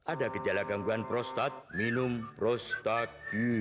ada gejala gangguan prostat minum prostat